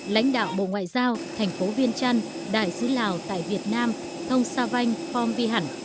lãnh đạo bộ ngoại giao thành phố viên trăn đại sứ lào tại việt nam thong sa vanh phong vy hẳn